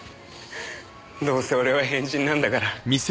どうせ俺は変人なんだから。